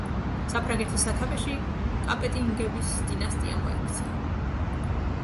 საფრანგეთის სათავეში კაპეტინგების დინასტია მოექცა.